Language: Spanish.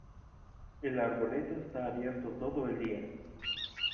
El arboreto está abierto todo el día.